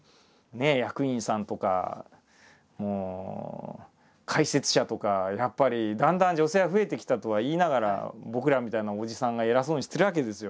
役員さんとかもう解説者とかやっぱりだんだん女性が増えてきたとはいいながら僕らみたいなおじさんが偉そうにしてるわけですよ。